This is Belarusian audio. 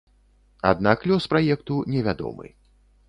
Аднак лёс праекту невядомы.